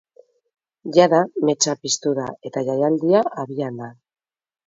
Jada, metxa piztu da eta jaialdia abian da.